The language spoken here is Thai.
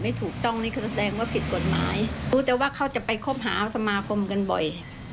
รู้แต่ว่าเขาจะไปคบหาสมาคมกันบ่อย